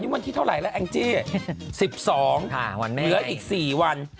ยุมที่เท่าไรแล้วแองจีสิบสองค่ะวันแม่เหลืออีกสี่วัน